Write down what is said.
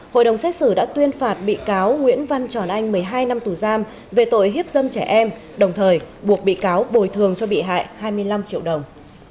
hình sự đã tuyên phạt bị cáo nguyễn văn tròn anh một mươi hai năm tù giam về tội hiếp dâm trẻ em đồng thời buộc bị cáo bồi thường cho bị hại hai mươi năm triệu đồng